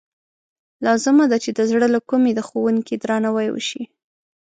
لازمه ده چې د زړه له کومې د ښوونکي درناوی وشي.